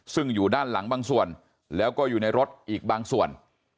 ซึ่งอยู่ด้านหลังบางส่วนแล้วก็อยู่ในรถอีกบางส่วน